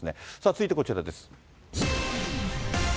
続いて、こちらです。